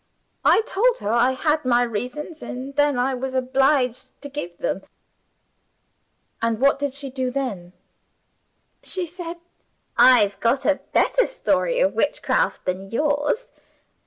I told her I had my reasons, and then I was obliged to give them." "And what did she do then?" "She said, 'I've got a better story of Witchcraft than yours.